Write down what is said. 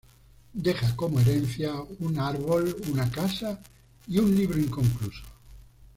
Deja como herencia: un árbol, una casa y un libro inconcluso.